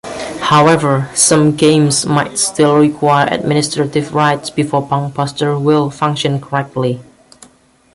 However, some games might still require administrative rights before PunkBuster will function correctly.